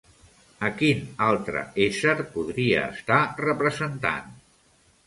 A quin altre ésser podria estar representant?